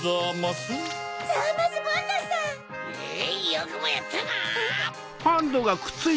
よくもやったな！